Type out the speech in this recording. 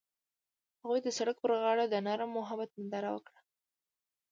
هغوی د سړک پر غاړه د نرم محبت ننداره وکړه.